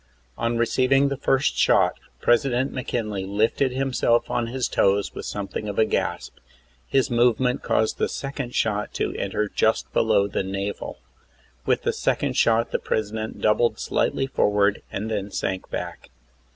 On receiving the first shot President McKinley lifted himself on his toes with something of a gasp. His movement caused the second shot to enter just below the navel. With the second shot the President doubled slightly forward and then sank back.